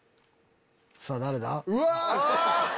さぁ誰だ？